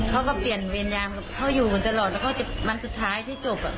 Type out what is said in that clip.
เขาก็เปลี่ยนเวียนยามเขาอยู่ตลอดแล้วก็มันสุดท้ายที่จบอ่ะ